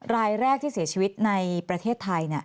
รายแรกที่เสียชีวิตในประเทศไทย